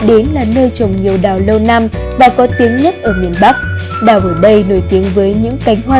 đến là nơi trồng nhiều đào lâu năm và có tiếng nhất ở miền bắc đảo ở đây nổi tiếng với những cánh hoa